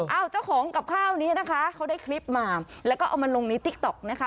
เจ้าของกับข้าวนี้นะคะเขาได้คลิปมาแล้วก็เอามาลงในติ๊กต๊อกนะคะ